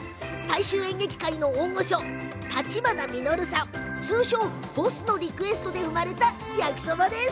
大衆演劇界の大御所橘魅乃瑠さん、通称ボスのリクエストで生まれた焼きそば。